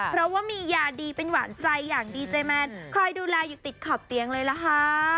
เพราะว่ามียาดีเป็นหวานใจอย่างดีเจแมนคอยดูแลอยู่ติดขอบเตียงเลยล่ะค่ะ